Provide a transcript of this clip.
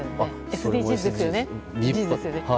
ＳＤＧｓですよね。